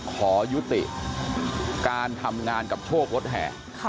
ขอยุติการทำงานกับโชครถแห่